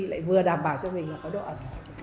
lại vừa đảm bảo cho mình có độ ẩn